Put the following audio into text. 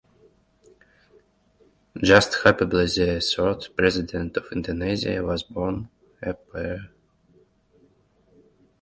Jusuf Habibie, the third President of Indonesia, was born in Parepare.